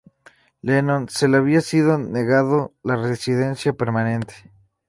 Lennon se le había sido negado la residencia permanente.